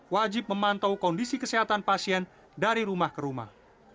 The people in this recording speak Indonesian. wajib memantau kondisi kesehatan pasien dari rumah ke rumah